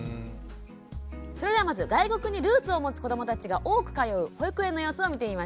それではまず外国にルーツを持つ子どもたちが多く通う保育園の様子を見てみましょう。